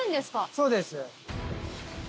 そうです。